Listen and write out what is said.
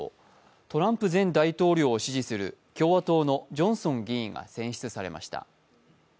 トランプ前大統領を支持する共和党のジョンソン議員が選出されました。